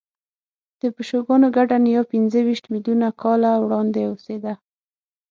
د پیشوګانو ګډه نیا پنځهویشت میلیونه کاله وړاندې اوسېده.